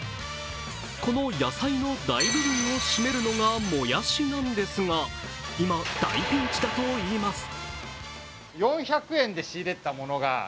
この野菜の大部分を占めるのがもやしなんですが今、大ピンチだといいます。